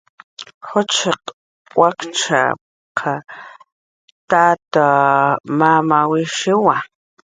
Jushiq wachchawa, tat mamawishiwa